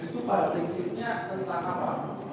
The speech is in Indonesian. itu partisipnya tentang apa